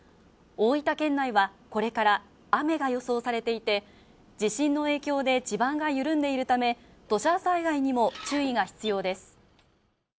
大分県内はこれから雨が予想されていて地震の影響で地盤が緩んでいるため、土砂災害にも注意が必要です。